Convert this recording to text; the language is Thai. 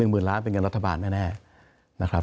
๑๐๐๐๐๐๐บาทเป็นเงินรัฐบาลแน่นะครับ